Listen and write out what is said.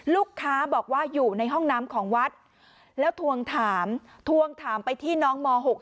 ลูกค้าบอกว่าอยู่ในห้องน้ำของวัดแล้วทวงถามทวงถามไปที่น้องม๖